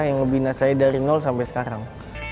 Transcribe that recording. yang membina saya dari nol sampai sekarang